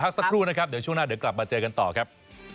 สักครู่นะครับเดี๋ยวช่วงหน้าเดี๋ยวกลับมาเจอกันต่อครับ